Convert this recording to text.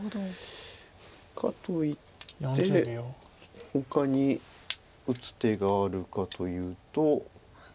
かといってほかに打つ手があるかというと。